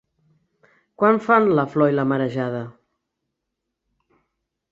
Quan fan La flor i la marejada?